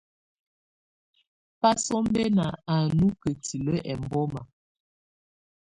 Basɔmbɛna á nɔ kǝ́tilǝ́ ɛmbɔma.